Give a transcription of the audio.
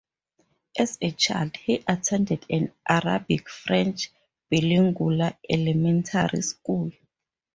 As a child, he attended an Arabic-French bilingual elementary school.